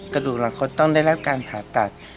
กระดูกหลังคดต้องได้รับการผ่าตัด